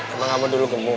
emang kamu dulu gemuk